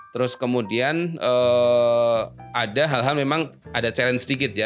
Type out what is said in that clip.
terus kemudian ada hal hal memang ada challenge sedikit ya